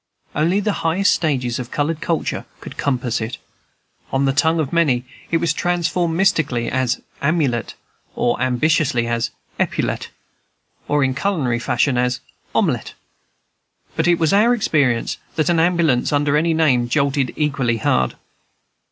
Only the highest stages of colored culture could compass it; on the tongue of the many it was transformed mystically as "amulet," or ambitiously as "epaulet," or in culinary fashion as "omelet." But it was our experience that an ambulance under any name jolted equally hard.